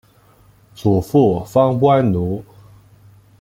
祖父方关奴。